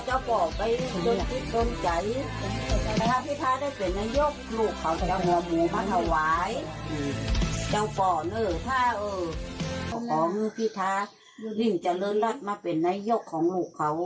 ขอขอมือพิธานี่ดิงเจริญรักมาเป็นนายกของลูกเขา